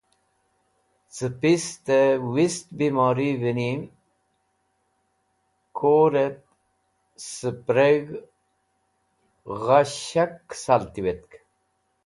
Cẽ pistẽ bistẽ bimorivẽni kũrit sepreg̃h gha shak kẽcal tiwetk.